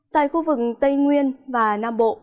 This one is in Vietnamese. tại khu vực tây nguyên và nam bộ